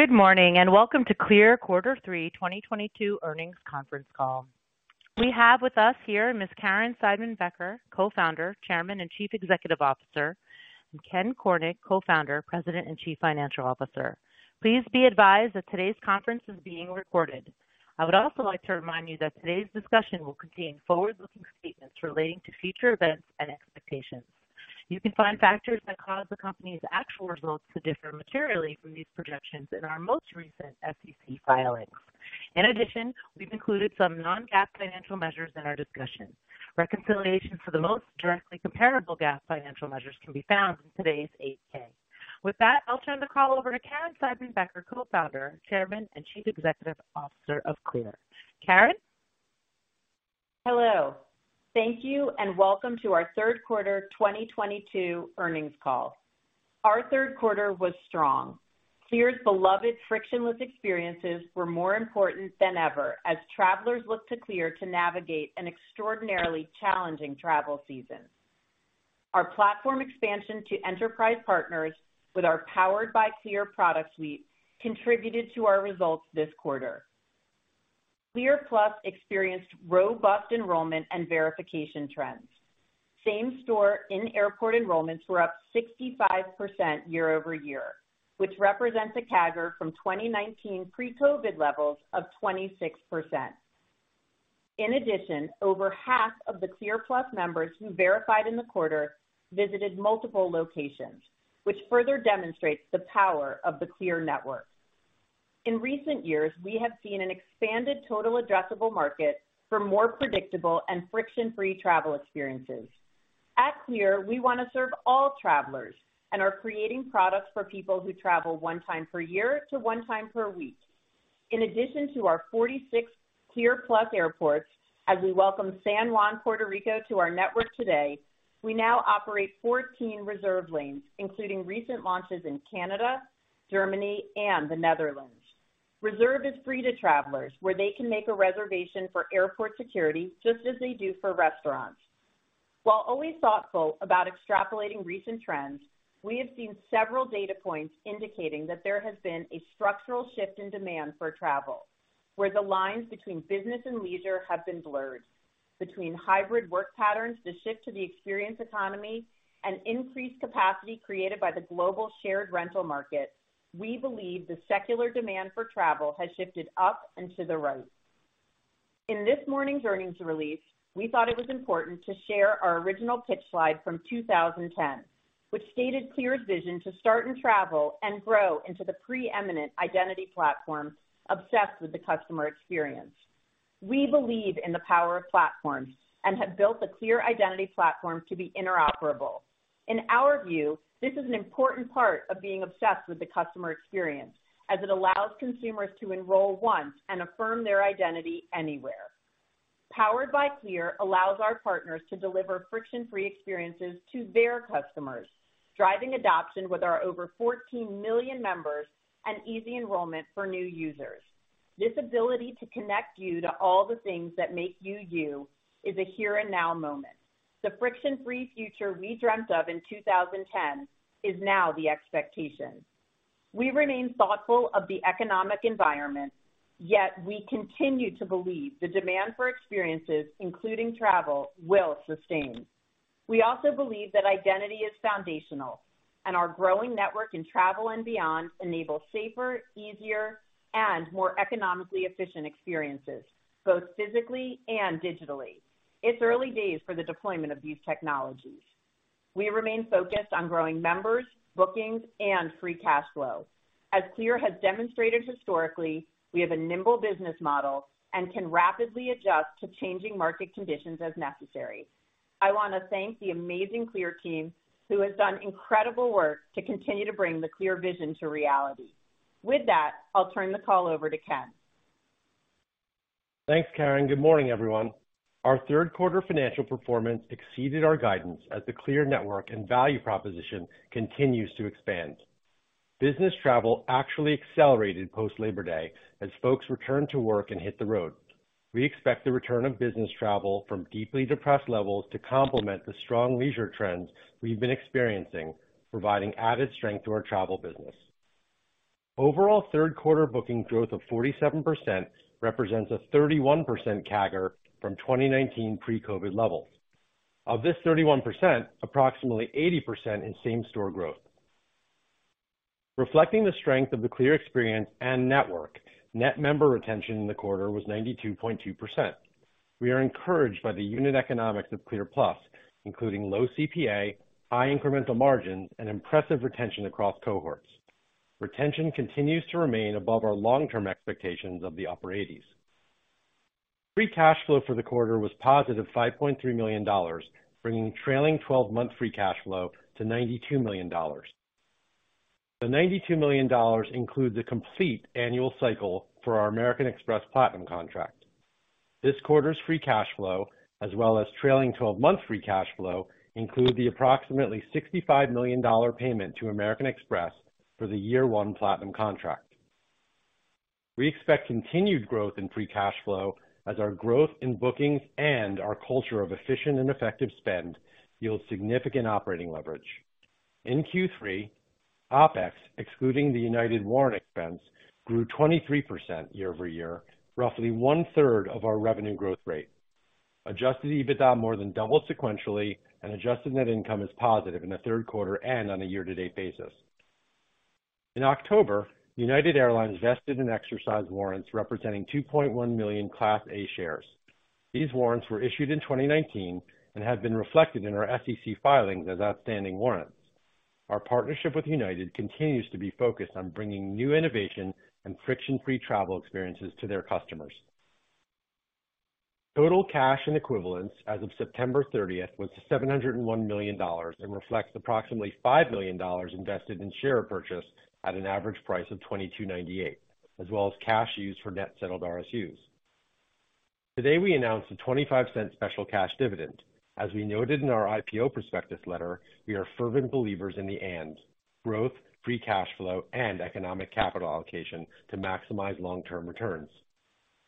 Good morning, and welcome to CLEAR Quarter Three 2022 Earnings Conference Call. We have with us here Ms. Caryn Seidman-Becker, Co-founder, Chairman, and Chief Executive Officer, and Ken Cornick, Co-founder, President, and Chief Financial Officer. Please be advised that today's conference is being recorded. I would also like to remind you that today's discussion will contain forward-looking statements relating to future events and expectations. You can find factors that cause the company's actual results to differ materially from these projections in our most recent SEC filings. In addition, we've included some non-GAAP financial measures in our discussion. Reconciliation for the most directly comparable GAAP financial measures can be found in today's 8-K. With that, I'll turn the call over to Caryn Seidman-Becker, Co-founder, Chairman, and Chief Executive Officer of CLEAR. Caryn? Hello. Thank you and welcome to our third quarter 2022 earnings call. Our third quarter was strong. CLEAR's beloved frictionless experiences were more important than ever as travelers looked to CLEAR to navigate an extraordinarily challenging travel season. Our platform expansion to enterprise partners with our Powered by CLEAR product suite contributed to our results this quarter. CLEAR+ experienced robust enrollment and verification trends. Same store in-airport enrollments were up 65% year-over-year, which represents a CAGR from 2019 pre-COVID levels of 26%. In addition, over half of the CLEAR+ members who verified in the quarter visited multiple locations, which further demonstrates the power of the CLEAR network. In recent years, we have seen an expanded total addressable market for more predictable and friction-free travel experiences. At CLEAR, we wanna serve all travelers and are creating products for people who travel one time per year to one time per week. In addition to our 46 CLEAR+ airports, as we welcome San Juan, Puerto Rico to our network today, we now operate 14 RESERVE lanes, including recent launches in Canada, Germany, and the Netherlands. RESERVE is free to travelers, where they can make a reservation for airport security just as they do for restaurants. While always thoughtful about extrapolating recent trends, we have seen several data points indicating that there has been a structural shift in demand for travel, where the lines between business and leisure have been blurred. Between hybrid work patterns to shift to the experience economy and increased capacity created by the global shared rental market, we believe the secular demand for travel has shifted up and to the right. In this morning's earnings release, we thought it was important to share our original pitch slide from 2010, which stated CLEAR's vision to start in travel and grow into the preeminent identity platform obsessed with the customer experience. We believe in the power of platforms and have built the CLEAR Identity Platform to be interoperable. In our view, this is an important part of being obsessed with the customer experience, as it allows consumers to enroll once and affirm their identity anywhere. Powered by CLEAR allows our partners to deliver friction-free experiences to their customers, driving adoption with our over 14 million members and easy enrollment for new users. This ability to connect you to all the things that make you you is a here and now moment. The friction-free future we dreamt of in 2010 is now the expectation. We remain thoughtful of the economic environment, yet we continue to believe the demand for experiences, including travel, will sustain. We also believe that identity is foundational, and our growing network in travel and beyond enable safer, easier, and more economically efficient experiences, both physically and digitally. It's early days for the deployment of these technologies. We remain focused on growing members, bookings, and free cash flow. As CLEAR has demonstrated historically, we have a nimble business model and can rapidly adjust to changing market conditions as necessary. I wanna thank the amazing CLEAR team, who has done incredible work to continue to bring the CLEAR vision to reality. With that, I'll turn the call over to Ken. Thanks, Caryn. Good morning, everyone. Our third quarter financial performance exceeded our guidance as the CLEAR network and value proposition continues to expand. Business travel actually accelerated post Labor Day as folks returned to work and hit the road. We expect the return of business travel from deeply depressed levels to complement the strong leisure trends we've been experiencing, providing added strength to our travel business. Overall third quarter booking growth of 47% represents a 31% CAGR from 2019 pre-COVID levels. Of this 31%, approximately 80% is same store growth. Reflecting the strength of the CLEAR experience and network, net member retention in the quarter was 92.2%. We are encouraged by the unit economics of CLEAR+, including low CPA, high incremental margins, and impressive retention across cohorts. Retention continues to remain above our long-term expectations of the upper 80s. Free cash flow for the quarter was +$5.3 million, bringing trailing twelve-month free cash flow to $92 million. The $92 million includes a complete annual cycle for our American Express Platinum contract. This quarter's free cash flow, as well as trailing 12-month free cash flow, include the approximately $65 million dollar payment to American Express for the year one Platinum contract. We expect continued growth in free cash flow as our growth in bookings and our culture of efficient and effective spend yield significant operating leverage. In Q3, OPEX, excluding the United warrant expense, grew 23% year-over-year, roughly 1/3 of our revenue growth rate. Adjusted EBITDA more than doubled sequentially, and adjusted net income is positive in the third quarter and on a year-to-date basis. In October, United Airlines vested and exercised warrants representing 2.1 million Class A shares. These warrants were issued in 2019 and have been reflected in our SEC filings as outstanding warrants. Our partnership with United continues to be focused on bringing new innovation and friction-free travel experiences to their customers. Total cash and equivalents as of September 30 was $701 million and reflects approximately $5 million invested in share repurchase at an average price of $22.98, as well as cash used for net settled RSUs. Today, we announced a $0.25 special cash dividend. As we noted in our IPO prospectus letter, we are fervent believers in value and growth, free cash flow, and economic capital allocation to maximize long-term returns.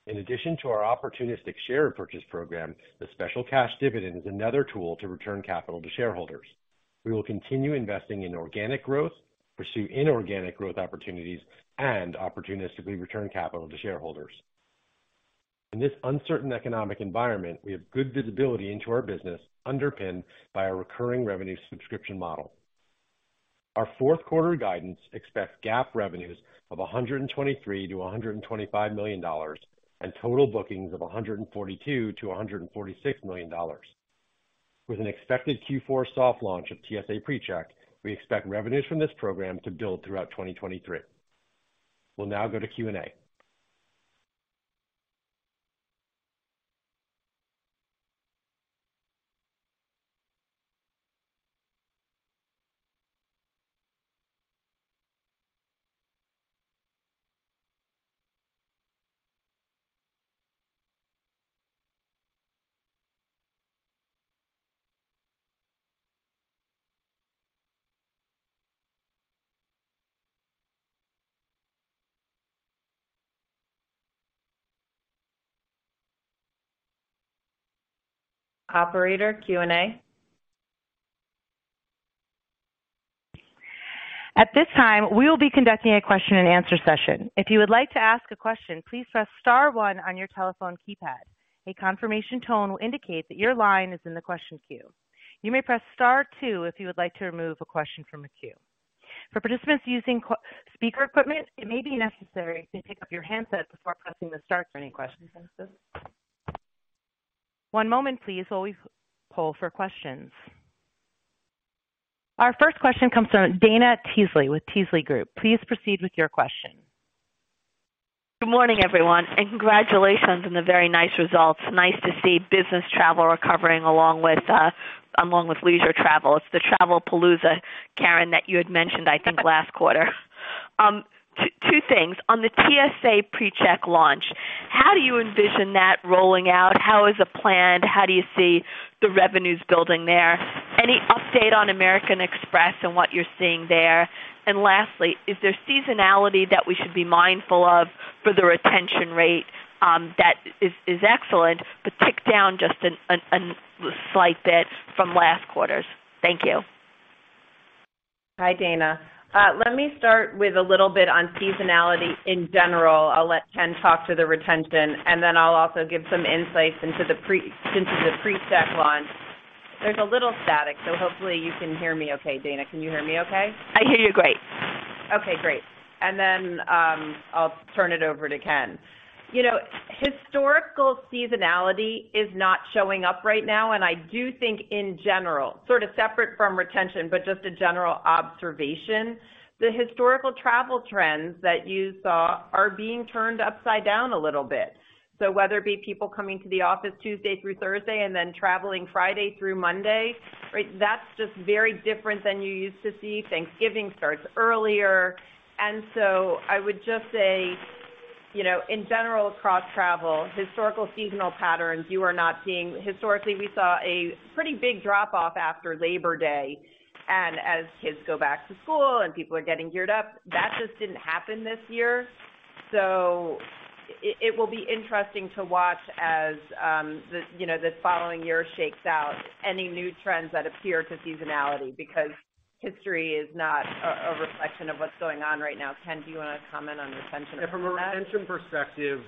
In addition to our opportunistic share repurchase program, the special cash dividend is another tool to return capital to shareholders. We will continue investing in organic growth, pursue inorganic growth opportunities, and opportunistically return capital to shareholders. In this uncertain economic environment, we have good visibility into our business underpinned by our recurring revenue subscription model. Our fourth quarter guidance expects GAAP revenues of $123 million-$125 million and total bookings of $142 million-$146 million. With an expected Q4 soft launch of TSA PreCheck, we expect revenues from this program to build throughout 2023. We'll now go to Q&A. Operator, Q&A. At this time, we will be conducting a question-and-answer session. If you would like to ask a question, please press star one on your telephone keypad. A confirmation tone will indicate that your line is in the question queue. You may press star two if you would like to remove a question from the queue. For participants using speakerphone equipment, it may be necessary to pick up your handset before pressing the star for any questions. One moment please while we poll for questions. Our first question comes from Dana Telsey with Telsey Advisory Group. Please proceed with your question. Good morning, everyone, and congratulations on the very nice results. Nice to see business travel recovering along with leisure travel. It's the travel palooza, Caryn, that you had mentioned, I think, last quarter. Two things. On the TSA PreCheck launch, how do you envision that rolling out? How is it planned? How do you see the revenues building there? Any update on American Express and what you're seeing there? Lastly, is there seasonality that we should be mindful of for the retention rate that is excellent, but ticked down just a slight bit from last quarter's? Thank you. Hi, Dana. Let me start with a little bit on seasonality in general. I'll let Ken talk to the retention, and then I'll also give some insights into the PreCheck launch. There's a little static, so hopefully you can hear me okay. Dana, can you hear me okay? I hear you, great. Okay, great. Then I'll turn it over to Ken. You know, historical seasonality is not showing up right now, and I do think in general, sort of separate from retention, but just a general observation, the historical travel trends that you saw are being turned upside down a little bit. Whether it be people coming to the office Tuesday through Thursday and then traveling Friday through Monday, right? That's just very different than you used to see. Thanksgiving starts earlier. I would just say, you know, in general, across travel, historical seasonal patterns, you are not seeing. Historically, we saw a pretty big drop-off after Labor Day. As kids go back to school and people are getting geared up, that just didn't happen this year. It will be interesting to watch as, this, you know, this following year shakes out any new trends that appear to seasonality because history is not a reflection of what's going on right now. Ken, do you wanna comment on retention? From a retention perspective,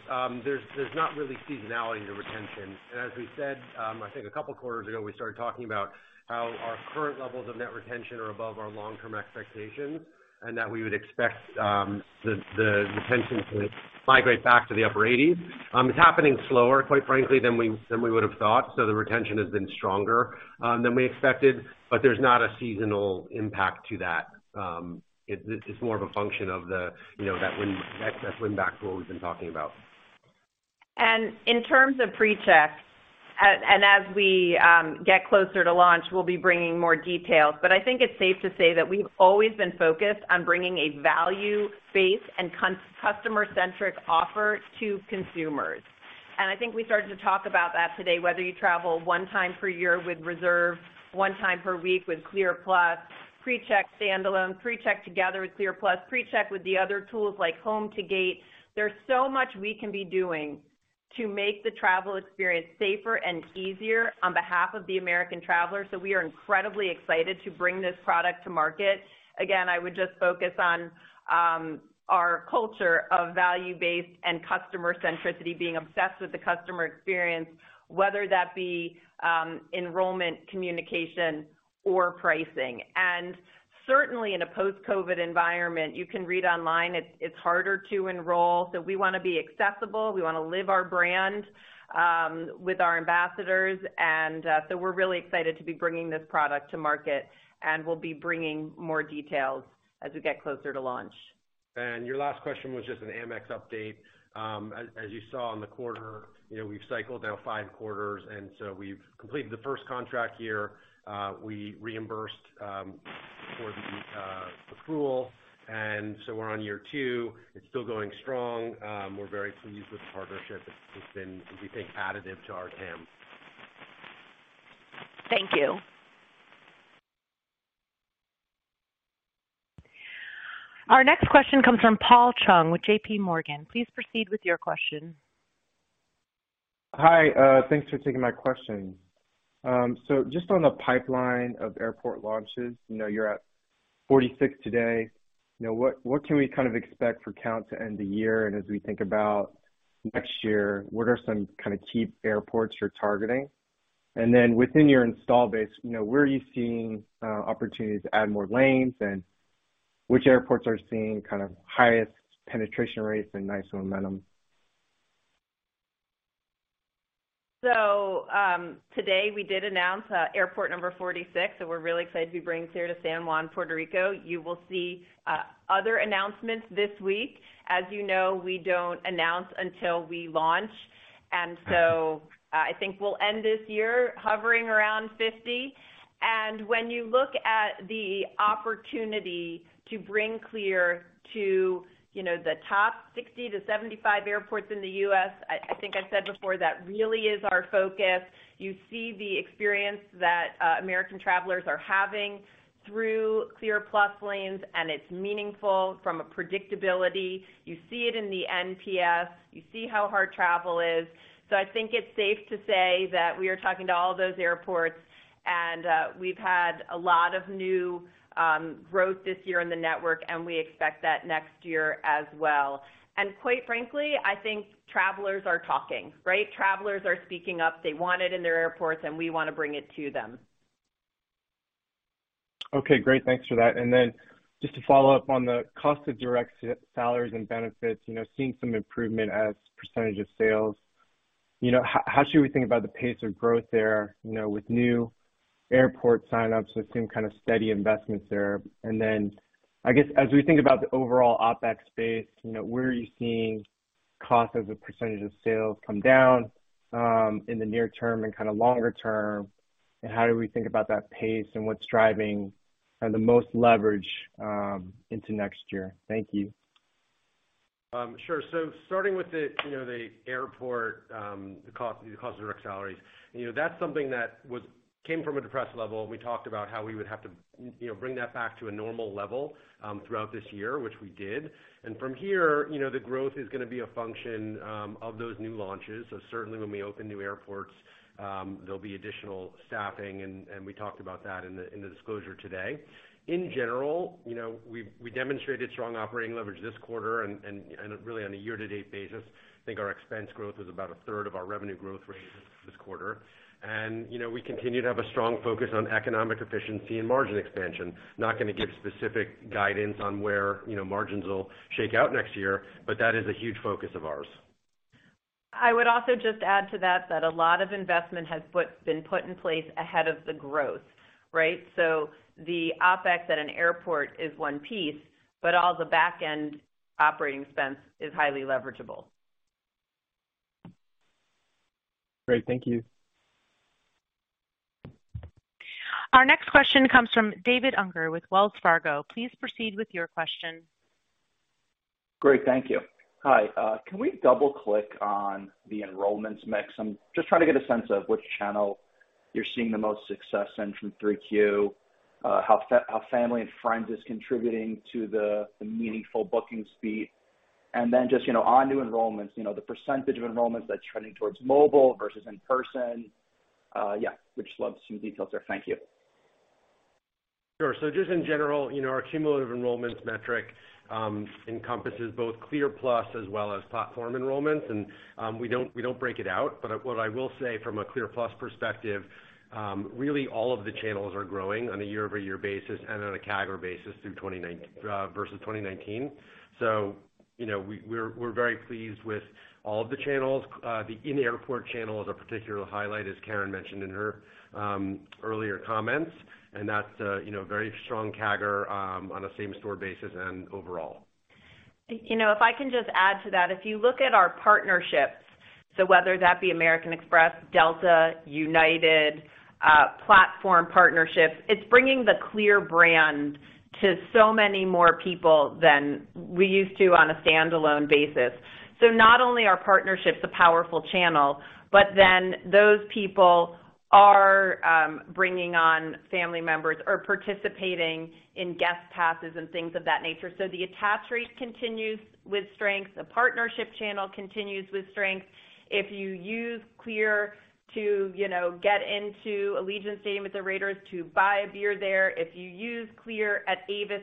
there's not really seasonality to retention. As we said, I think a couple of quarters ago, we started talking about how our current levels of net retention are above our long-term expectations, and that we would expect the retention to migrate back to the upper 80s. It's happening slower, quite frankly, than we would have thought. The retention has been stronger than we expected, but there's not a seasonal impact to that. It's more of a function of the, you know, excess win-back to what we've been talking about. In terms of PreCheck, as we get closer to launch, we'll be bringing more details. I think it's safe to say that we've always been focused on bringing a value-based and customer-centric offer to consumers. I think we started to talk about that today, whether you travel one time per year with Reserve, one time per week with CLEAR+, PreCheck standalone, PreCheck together with CLEAR+, PreCheck with the other tools like Home to Gate. There's so much we can be doing to make the travel experience safer and easier on behalf of the American traveler. We are incredibly excited to bring this product to market. Again, I would just focus on our culture of value-based and customer centricity, being obsessed with the customer experience, whether that be enrollment, communication, or pricing. Certainly, in a post-COVID environment, you can read online, it's harder to enroll. We wanna be accessible. We wanna live our brand with our ambassadors. We're really excited to be bringing this product to market, and we'll be bringing more details as we get closer to launch. Your last question was just an Amex update. As you saw in the quarter, you know, we've cycled now five quarters, and so we've completed the first contract year. We reimbursed for the accrual, and so we're on year two. It's still going strong. We're very pleased with the partnership. It's been, we think, additive to our TAM. Thank you. Our next question comes from Paul Chung with JPMorgan. Please proceed with your question. Hi, thanks for taking my question. Just on the pipeline of airport launches, you know, you're at 46 today. You know, what can we kind of expect for count to end the year, and as we think about next year, what are some kind of key airports you're targeting? Within your install base, you know, where are you seeing opportunities to add more lanes, and which airports are seeing kind of highest penetration rates and nice momentum? Today we did announce airport number 46, so we're really excited to be bringing here to San Juan, Puerto Rico. You will see other announcements this week. As you know, we don't announce until we launch. I think we'll end this year hovering around 50. When you look at the opportunity to bring CLEAR to, you know, the top 60-75 airports in the U.S., I think I said before that really is our focus. You see the experience that American travelers are having through CLEAR+ lanes, and it's meaningful from a predictability. You see it in the NPS, you see how hard travel is. I think it's safe to say that we are talking to all those airports, and we've had a lot of new growth this year in the network, and we expect that next year as well. Quite frankly, I think travelers are talking, right? Travelers are speaking up. They want it in their airports, and we wanna bring it to them. Okay, great. Thanks for that. Just to follow up on the cost of direct salaries and benefits, you know, seeing some improvement as percentage of sales, you know, how should we think about the pace of growth there, you know, with new airport signups with some kind of steady investments there? I guess as we think about the overall OpEx space, you know, where are you seeing cost as a percentage of sales come down, in the near term and kind of longer term, and how do we think about that pace and what's driving kind of the most leverage into next year? Thank you. Sure. Starting with the airport, you know, the cost of direct salaries. You know, that's something that came from a depressed level. We talked about how we would have to, you know, bring that back to a normal level throughout this year, which we did. From here, you know, the growth is gonna be a function of those new launches. Certainly when we open new airports, there'll be additional staffing and we talked about that in the disclosure today. In general, you know, we demonstrated strong operating leverage this quarter and really on a year-to-date basis, I think our expense growth was about a third of our revenue growth rate this quarter. You know, we continue to have a strong focus on economic efficiency and margin expansion. Not gonna give specific guidance on where, you know, margins will shake out next year, but that is a huge focus of ours. I would also just add to that a lot of investment has been put in place ahead of the growth, right? The OPEX at an airport is one piece, but all the backend operating expense is highly leverageable. Great. Thank you. Our next question comes from David Unger with Wells Fargo. Please proceed with your question. Great. Thank you. Hi. Can we double-click on the enrollments mix? I'm just trying to get a sense of which channel you're seeing the most success in from 3Q, how family and friends is contributing to the meaningful booking speed. Just, you know, on new enrollments, you know, the percentage of enrollments that's trending towards mobile versus in person. Yeah, we'd just love some details there. Thank you. Sure. Just in general, you know, our cumulative enrollments metric encompasses both CLEAR+ as well as platform enrollments. We don't break it out. What I will say from a CLEAR+ perspective, really all of the channels are growing on a year-over-year basis and on a CAGR basis through 2029 versus 2019. You know, we're very pleased with all of the channels. The in-airport channel is a particular highlight, as Caryn mentioned in her earlier comments, and that's a, you know, very strong CAGR on a same-store basis and overall. You know, if I can just add to that. If you look at our partnerships, so whether that be American Express, Delta, United, platform partnerships, it's bringing the CLEAR brand to so many more people than we used to on a standalone basis. Not only are partnerships a powerful channel, but then those people are bringing on family members or participating in guest passes and things of that nature. The attach rate continues with strength. The partnership channel continues with strength. If you use CLEAR to, you know, get into Allegiant Stadium with the Raiders to buy a beer there. If you use CLEAR at Avis,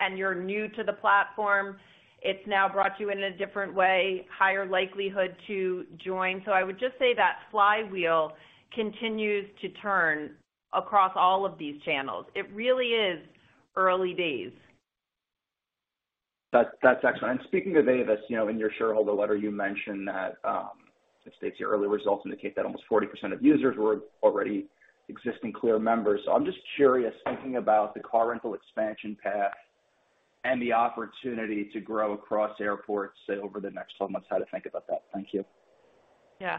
and you're new to the platform, it's now brought you in a different way, higher likelihood to join. I would just say that flywheel continues to turn across all of these channels. It really is early days. That's excellent. Speaking of Avis, you know, in your shareholder letter, you mentioned that it states your early results indicate that almost 40% of users were already existing CLEAR members. I'm just curious, thinking about the car rental expansion path and the opportunity to grow across airports over the next 12 months, how to think about that. Thank you. Yeah.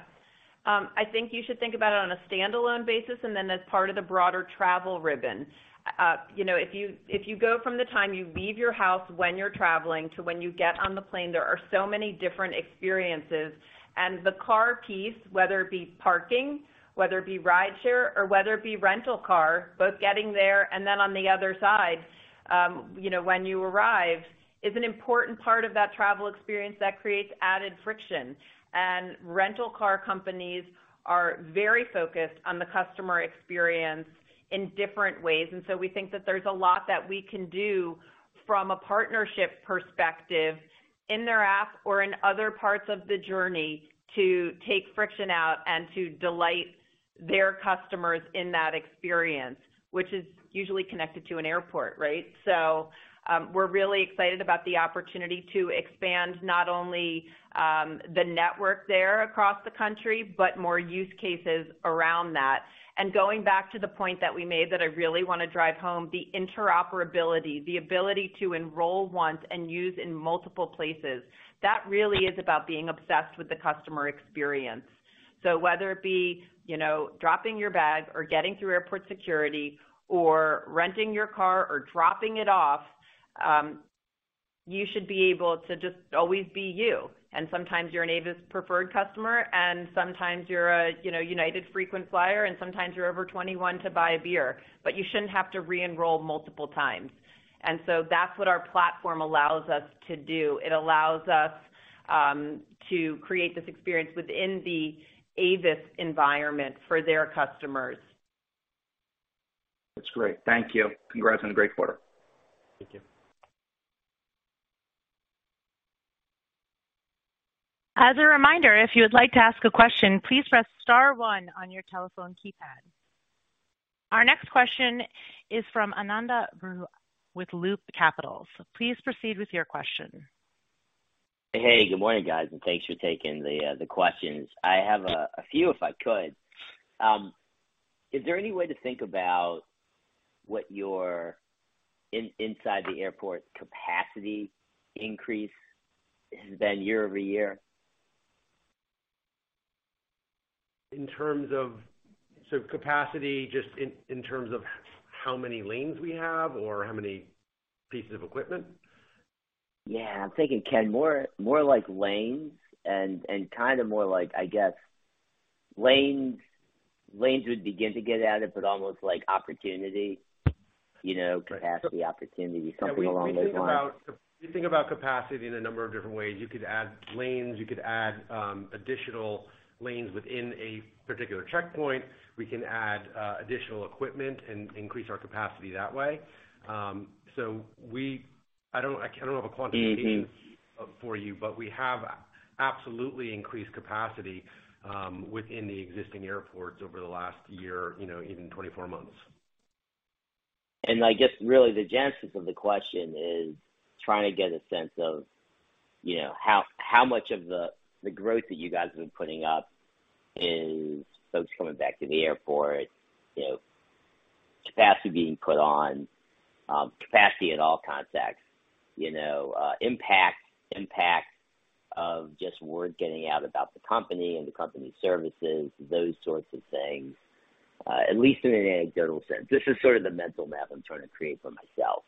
I think you should think about it on a standalone basis and then as part of the broader travel ribbon. You know, if you go from the time you leave your house when you're traveling to when you get on the plane, there are so many different experiences. The car piece, whether it be parking, whether it be rideshare or whether it be rental car, both getting there and then on the other side, you know, when you arrive, is an important part of that travel experience that creates added friction. Rental car companies are very focused on the customer experience in different ways. We think that there's a lot that we can do from a partnership perspective in their app or in other parts of the journey to take friction out and to delight their customers in that experience, which is usually connected to an airport, right? We're really excited about the opportunity to expand not only the network there across the country, but more use cases around that. Going back to the point that we made that I really wanna drive home, the interoperability, the ability to enroll once and use in multiple places, that really is about being obsessed with the customer experience. Whether it be, you know, dropping your bag or getting through airport security or renting your car or dropping it off, you should be able to just always be you. Sometimes you're an Avis preferred customer, and sometimes you're a, you know, United frequent flyer, and sometimes you're over 21 to buy a beer, but you shouldn't have to re-enroll multiple times. That's what our platform allows us to do. It allows us to create this experience within the Avis environment for their customers. That's great. Thank you. Congrats on a great quarter. Thank you. As a reminder, if you would like to ask a question, please press star one on your telephone keypad. Our next question is from Ananda Baruah with Loop Capital. Please proceed with your question. Hey, good morning, guys, and thanks for taking the questions. I have a few if I could. Is there any way to think about what your inside the airport capacity increase has been year-over-year? In terms of capacity just in terms of how many lanes we have or how many pieces of equipment? Yeah, I'm thinking, Ken, more like lanes and kinda more like, I guess, lanes would begin to get at it, but almost like opportunity, you know, capacity opportunity, something along those lines. We think about capacity in a number of different ways. You could add lanes, additional lanes within a particular checkpoint. We can add additional equipment and increase our capacity that way. I don't have a quantification. Mm-hmm. For you, but we have absolutely increased capacity within the existing airports over the last year, you know, even in 24 months. I guess really the genesis of the question is trying to get a sense of, you know, how much of the growth that you guys have been putting up is folks coming back to the airport, you know, capacity being put on, capacity at all contacts, you know, impact of just word getting out about the company and the company services, those sorts of things, at least in an anecdotal sense. This is sort of the mental map I'm trying to create for myself.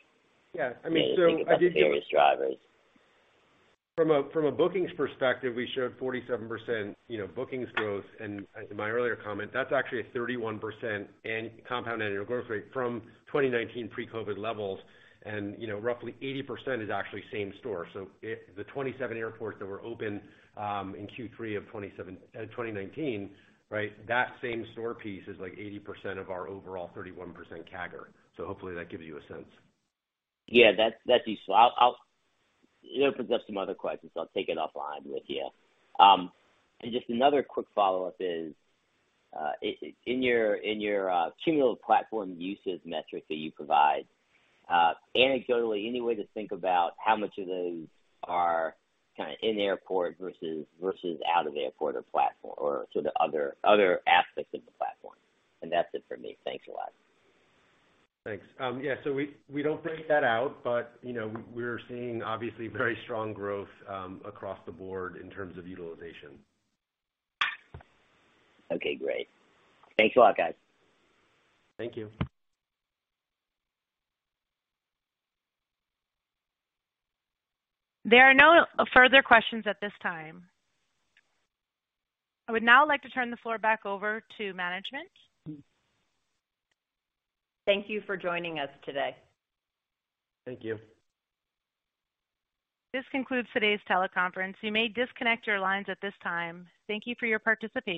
Yeah. I mean, Main drivers. From a bookings perspective, we showed 47%, you know, bookings growth. As in my earlier comment, that's actually a 31% compound annual growth rate from 2019 pre-COVID levels. You know, roughly 80% is actually same store. If the 27 airports that were open in Q3 of 2019, right? That same store piece is like 80% of our overall 31% CAGR. Hopefully that gives you a sense. Yeah, that's useful. It opens up some other questions, so I'll take it offline with you. Just another quick follow-up is in your cumulative platform usage metrics that you provide, anecdotally, any way to think about how much of those are kinda in airport versus out of airport or platform or sort of other aspects of the platform? That's it for me. Thanks a lot. Thanks. Yeah. We don't break that out, but you know, we're seeing obviously very strong growth across the board in terms of utilization. Okay, great. Thanks a lot, guys. Thank you. There are no further questions at this time. I would now like to turn the floor back over to management. Thank you for joining us today. Thank you. This concludes today's teleconference. You may disconnect your lines at this time. Thank you for your participation.